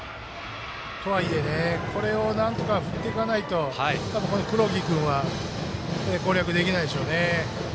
とはいえ、これをなんとか振っていかないと黒木君は攻略できないでしょうね。